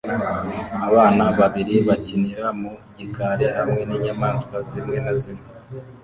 Abana babiri bakinira mu gikari hamwe ninyamaswa zimwe na zimwe